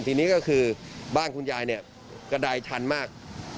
ทีนี้ก็คือบ้านคุณยายเนี่ยกระดายชันมาก